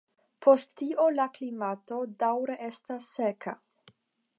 Post tio la klimato daŭre estas seka.